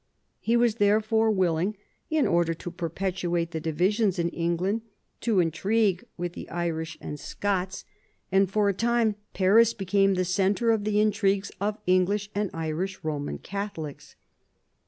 He was therefore willing, in order to perpetuate the divisions in England, to intrigue with the Irish and Scots, and for D 84 MAZARIN chap. a time Paris became the centre of the intrigues of English and Irish Eoman Catholics.